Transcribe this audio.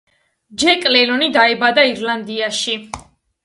ჯეკ ლენონი დაიბადა ირლანდიაში.